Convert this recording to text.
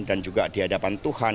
dan juga di hadapan tuhan